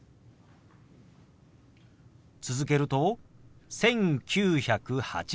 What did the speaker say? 続けると「１９８０」。